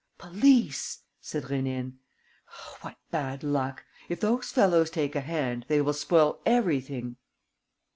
"Police!" said Rénine. "What bad luck! If those fellows take a hand, they will spoil everything."